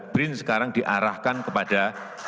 brin sekarang diarahkan kepada